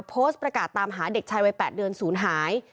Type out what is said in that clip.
โพสต์ประกาศตามหาเด็กชายวัย๘เดือนศูนย์หาย